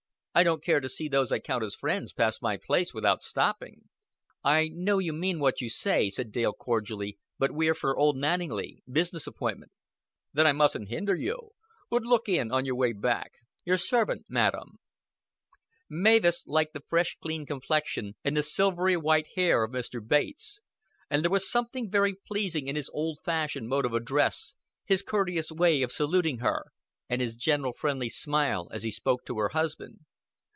I don't care to see those I count as friends pass my place without stopping." "I know you mean what you say," said Dale cordially; "but we're for Old Manninglea business appointment." "Then I mustn't hinder you. But look in on your way back. Your servant, madam." Mavis liked the fresh clean complexion and the silvery white hair of Mr. Bates, and there was something very pleasing in his old fashioned mode of address, his courteous way of saluting her, and his gentle friendly smile as he spoke to her husband.